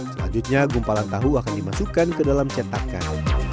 selanjutnya gumpalan tahu akan dimasukkan ke dalam cetakan